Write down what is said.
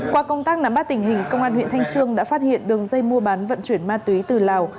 qua công tác nắm bắt tình hình công an huyện thanh trương đã phát hiện đường dây mua bán vận chuyển ma túy từ lào